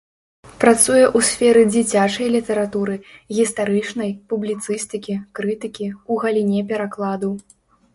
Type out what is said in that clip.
Працуе ў сферы дзіцячай літаратуры, гістарычнай, публіцыстыкі, крытыкі, у галіне перакладу.